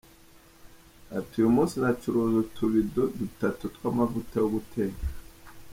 Ati “Uyu munsi nacuruje utubido dutatu tw’amavuta yo guteka.